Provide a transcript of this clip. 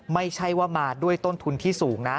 ไม่ใช่ว่ามาด้วยต้นทุนที่สูงนะ